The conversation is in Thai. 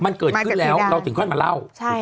มันเกิดขึ้นแล้วเราสิ่งขนมันเล่า